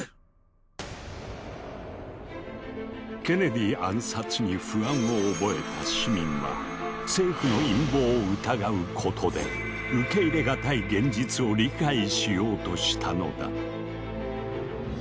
ケネディ暗殺に不安を覚えた市民は政府の陰謀を疑うことで受け入れがたい現実を理解しようとしたのだ。